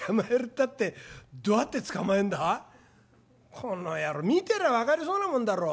「この野郎見てりゃ分かりそうなもんだろう。